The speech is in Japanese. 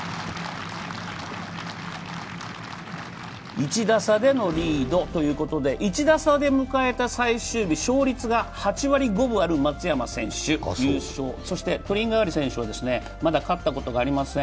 １打差でのリードということで、１打差で迎えた最終日、勝率が８割５分ある松山選手、トリンガーリ選手はまだ勝ったことがありません。